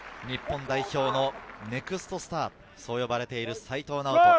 日本代表のネクストスター、そう呼ばれている齋藤直人。